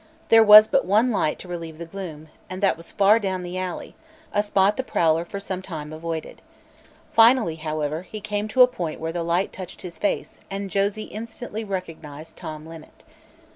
There was but one light to relieve the gloom, and that was far down the alley, a spot the prowler for some time avoided. Finally, however, he came to a point where the light touched his face and Josie instantly recognized Tom Linnet.